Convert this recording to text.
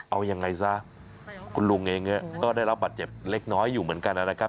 เอายังไงซะคุณลุงเองก็ได้รับบัตรเจ็บเล็กน้อยอยู่เหมือนกันนะครับ